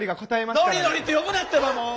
のりのりって呼ぶなってばもう！